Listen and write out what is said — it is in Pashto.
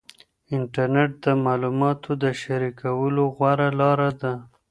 انټرنیټ د معلوماتو د شریکولو غوره لار ده.